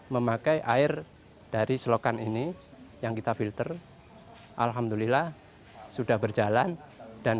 memakai air dari selokan ini yang kita filter alhamdulillah sudah berjalan dan